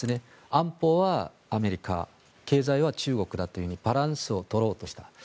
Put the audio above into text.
安保はアメリカ経済は中国だとバランスを取ろうとした。